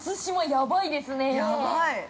◆やばい！